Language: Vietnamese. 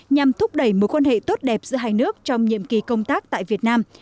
nhằm thúc đẩy mối quan hệ tốt đẹp giữa hai nước trong nhiệm kỳ công tác tại việt nam